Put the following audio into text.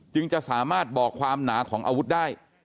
จะสามารถบอกความหนาของอาวุธได้